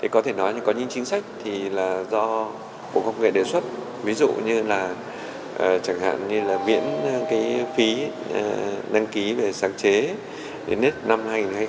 có thể nói là có những chính sách là do bộ khoa học và công nghệ đề xuất ví dụ như là miễn phí đăng ký về sáng chế đến nét năm hai nghìn hai mươi